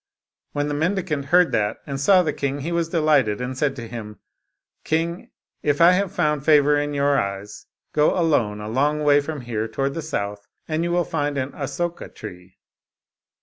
" When the mendicant heard that, and saw the king, he was delighted, and said to him, "King, if I have found favor in your eyes, go alone a long way from here toward the south, and you will find an asoka tree.